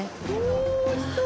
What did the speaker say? おお美味しそう！